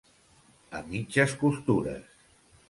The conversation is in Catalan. A mitges costures.